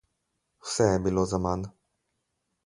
Vse je bilo zaman.